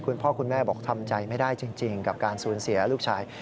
คุณพ่อคุณแม่บอกทำใจไม่ได้จริงกับการสูญเสียลูกชาย